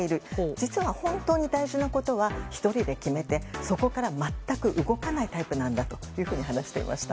実は、本当に大事なことは１人で決めてそこから全く動かないタイプなんだと話していました。